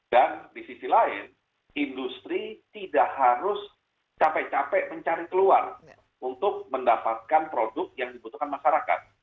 dan di sisi lain industri tidak harus capek capek mencari keluar untuk mendapatkan produk yang dibutuhkan masyarakat